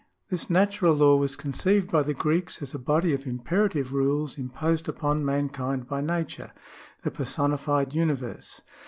This natural law was conceived by the Greeks as a body of imperative rules imposed upon mankind by Nature, the personified universe.